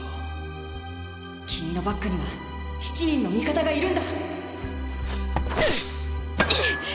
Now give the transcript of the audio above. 君のバックには７人の味方がいるんだ！